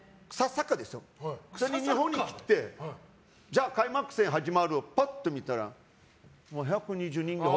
日本に来て、じゃあ開幕戦始まるパッと見たら、１２０人ぐらい。